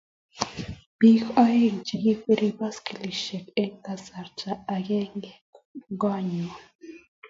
Biik aeng che ikwerie baskilisyek eng kasarta agenge ko ng'ui.